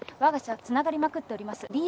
わが社はつながりまくっております。